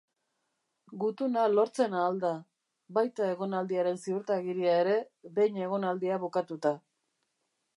Gutuna lortzen ahal da, baita egonaldiaren ziurtagiria ere, behin egonaldia bukatuta.